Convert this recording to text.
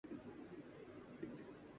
کہ جانتا ہوں مآل سکندری کیا ہے